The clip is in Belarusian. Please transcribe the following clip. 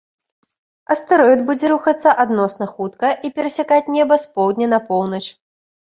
Астэроід будзе рухацца адносна хутка і перасякаць неба з поўдня на поўнач.